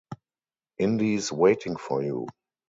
Indy's waiting for you!